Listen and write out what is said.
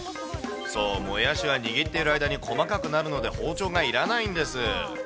そう、もやしは握ってる間に細かくなるので、包丁がいらないんです。